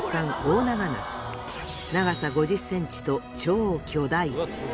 長さ５０センチと超巨大。